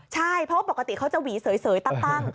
ใช่เพราะว่าปกติเขาจะหวีเสยตั้ง